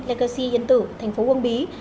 legacy yên tử thành phố quang bí